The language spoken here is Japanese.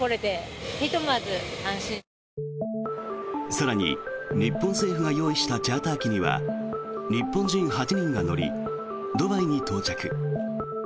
更に、日本政府が用意したチャーター機には日本人８人が乗りドバイに到着。